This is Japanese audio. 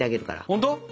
本当？